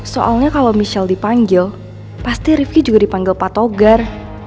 soalnya kalau michelle dipanggil pasti rifki juga dipanggil patogar